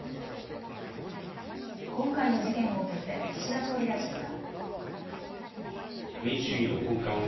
今回の事件を受けて岸田総理大臣は。